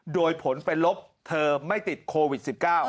โดยผลเป็นลบเธอไม่ติดโควิด๑๙